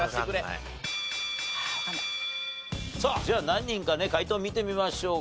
さあじゃあ何人かね解答を見てみましょうか。